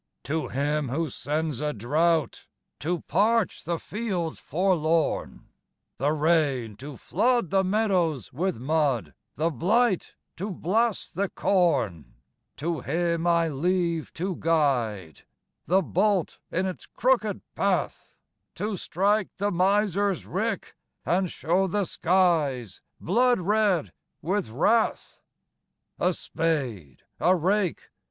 To Him who sends a drought To parch the fields forlorn, The rain to flood the meadows with mud, The blight to blast the corn, To Him I leave to guide The bolt in its crooked path, To strike the miser's rick, and show The skies blood red with wrath. A spade! a rake!